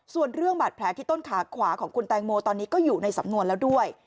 ส่วนเรื่องบาดแผลที่ต้นขาขวาของคุณแตงโมตอนนี้ก็อยู่ในสำนวนแล้วด้วย